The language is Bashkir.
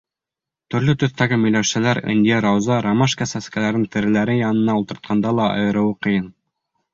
Төрлө төҫтәге миләүшәләр, ынйы, рауза, ромашка сәскәләрен тереләре янына ултыртҡанда ла айырыуы ҡыйын.